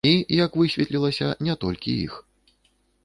І, як высветлілася, не толькі іх.